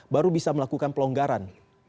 baru bisa melakukan pelonggaran